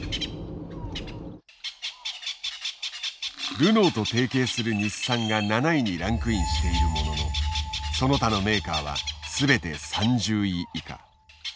ルノーと提携する日産が７位にランクインしているもののその他のメーカーは全て３０位以下。